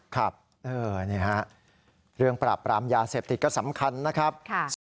ครับนี่ฮะเรื่องปราบปรามยาเสพติดก็สำคัญนะครับ